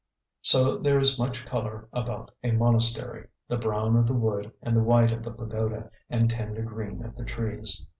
So there is much colour about a monastery the brown of the wood and the white of the pagoda, and tender green of the trees.